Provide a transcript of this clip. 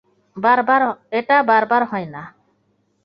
এটা বার বার হয় না।